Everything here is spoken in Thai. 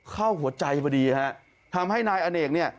เข้าหัวใจพอดีฮะทำให้นายอเนกเนี่ย